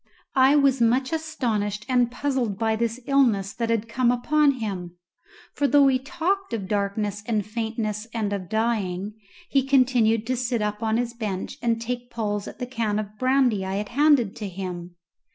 I was much astonished and puzzled by this illness that had come upon him, for, though he talked of darkness and faintness and of dying, he continued to sit up on his bench and to take pulls at the can of brandy I had handed to him.